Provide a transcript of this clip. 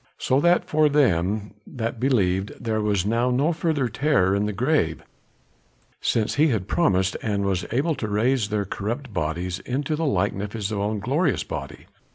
So that for them that believed there was now no further terror in the grave, since he had promised and was able to raise their corrupt bodies into the likeness of his own glorious body.